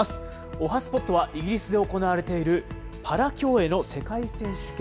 おはＳＰＯＴは、イギリスで行われているパラ競泳の世界選手権。